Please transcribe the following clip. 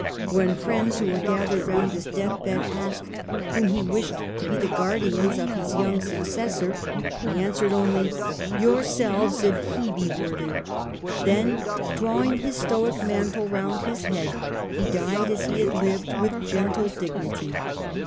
When the friends who were gathered round his deathbed asked whom he wished to be the guardians of his young successor, he answered only ' Yourselves, if he be worthy ;' then drawing his Stoic mantle round his head, he died as he had lived, with gentle dignity.